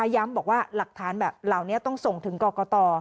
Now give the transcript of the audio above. ย้ำบอกว่าหลักฐานเหล่านี้ต้องส่งถึงกกต